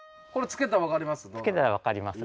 つけたら分かります。